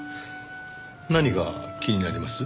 何が気になります？